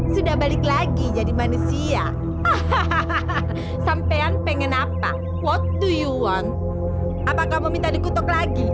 sudah balik lagi jadi manusia hahaha sampean pengen apa what to yon apa kamu minta dikutuk lagi